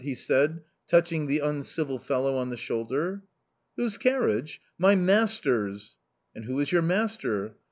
he said, touching the uncivil fellow on the shoulder. "Whose carriage? My master's." "And who is your master?"